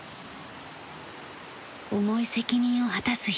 重い責任を果たす日々。